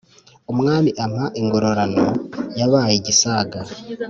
umwami ampa ingororano yabaye igisaga ,